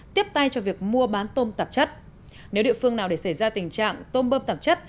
tiếp tay cho việc mua bán tôm tạp chất nếu địa phương nào để xảy ra tình trạng tôm bơm tạp chất